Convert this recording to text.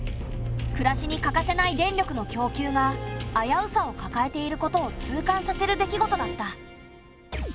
暮らしに欠かせない電力の供給があやうさをかかえていることを痛感させるできごとだった。